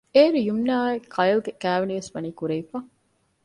އޭރު ޔުމްނުއާއި ކައިލްގެ ކާވެނިވެސް ވަނީ ކުރެވިފަ